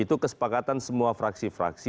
itu kesepakatan semua fraksi fraksi